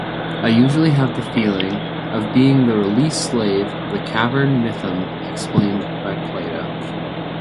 I usually have the feeling of being the released slave of the Cavern Mythm explained by Plato